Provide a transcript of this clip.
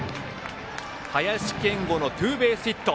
林謙吾のツーベースヒット。